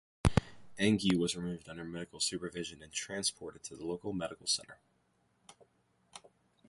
Enge was removed under medical supervision and transported to the local medical centre.